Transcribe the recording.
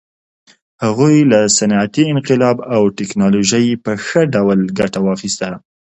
هغوی له صنعتي انقلاب او ټکنالوژۍ په ښه ډول ګټه واخیسته.